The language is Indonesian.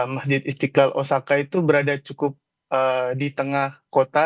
masjid istiqlal osaka itu berada cukup di tengah kota